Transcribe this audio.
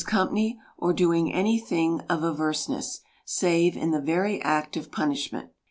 company, or doing any thing of averseness, save in the very act of punishment.